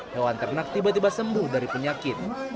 hewan ternak tiba tiba sembuh dari penyakit